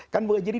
kan boleh jadi